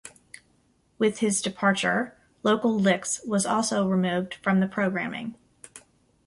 With his departure, "Local Licks" was also removed from the programming.